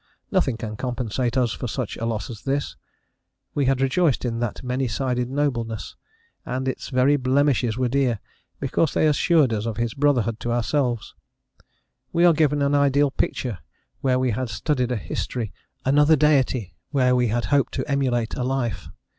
Nothing can compensate us for such a loss as this. We had rejoiced in that many sided nobleness, and its very blemishes were dear, because they assured us of his brotherhood to ourselves: we are given an ideal picture where we had studied a history, another Deity where we had hoped to emulate a life.